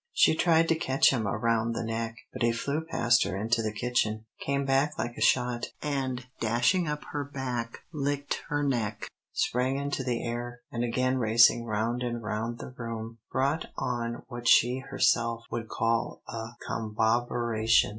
She tried to catch him around the neck, but he flew past her into the kitchen, came back like a shot, and, dashing up her back, licked her neck, sprang into the air, and again racing round and round the room, brought on what she herself would call a "combobberation."